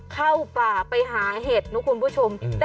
เข้าป่าไปหาเห็ด